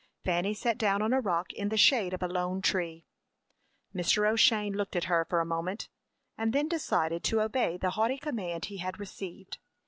Fanny sat down on a rock in the shade of a lone tree. Mr. O'Shane looked at her for a moment, and then decided to obey the haughty command he had received.